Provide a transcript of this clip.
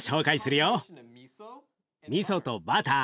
みそとバター。